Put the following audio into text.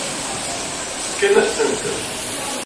Fkan-as-tent.